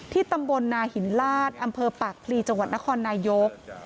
ตำบลนาหินลาดอำเภอปากพลีจังหวัดนครนายก